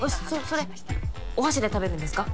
それお箸で食べるんですか？